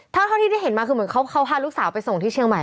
เท่าที่ได้เห็นมาคือเหมือนเขาพาลูกสาวไปส่งที่เชียงใหม่